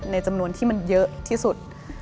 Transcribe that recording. ในจำนวนที่มันเยอะที่สุด